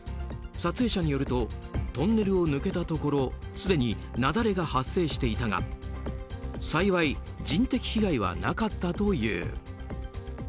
撮影者によるとトンネルを抜けたところすでに雪崩が発生していたが幸い、人的被害はなかったという。